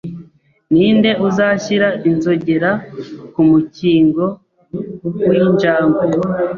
Ninde uzashyira inzogera ku mukingo w'injangwe?